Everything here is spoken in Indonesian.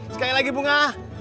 sekali lagi bunga